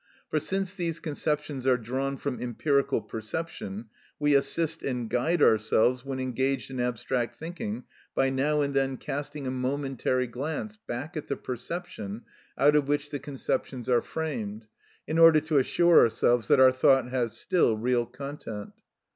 For since these conceptions are drawn from empirical perception, we assist and guide ourselves when engaged in abstract thinking by now and then casting a momentary glance back at the perception out of which the conceptions are framed, in order to assure ourselves that our thought has still real content.